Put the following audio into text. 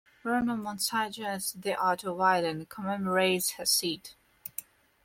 Bruno Monsaingeon's "The Art of Violin" commemorates Hassid.